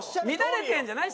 乱れてるんじゃない？